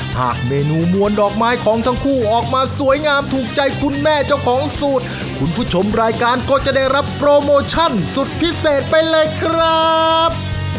หากเมนูมวลดอกไม้ของทั้งคู่ออกมาสวยงามถูกใจคุณแม่เจ้าของสูตรคุณผู้ชมรายการก็จะได้รับโปรโมชั่นสุดพิเศษไปเลยครับ